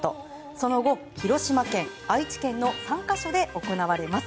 その後、広島県、愛知県の３か所で行われます。